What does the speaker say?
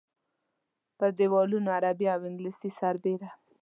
پر دیوالونو عربي او انګلیسي سربېره.